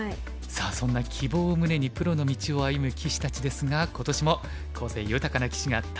さあそんな希望を胸にプロの道を歩む棋士たちですが今年も個性豊かな棋士が誕生しました。